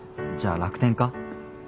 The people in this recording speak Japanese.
じゃあ楽天家？